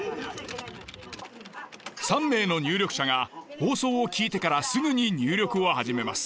３名の入力者が放送を聞いてからすぐに入力を始めます。